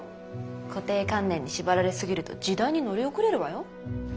固定観念に縛られ過ぎると時代に乗り遅れるわよ。